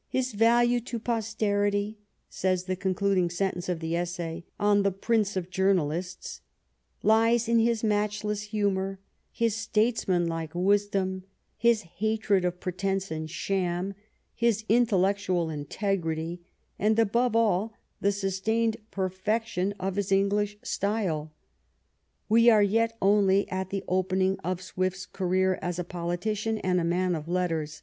" His value to posterity," says the concluding sentence of the essay on the " prince of journalists," " lies in his matchless humour, his statesmanlike wisdom, his hatred of pre tence and sham, his intellectual integrity, and above all the sustained perfection of his English style." We are yet only at the opening of Swift's career as a politician and a man of letters.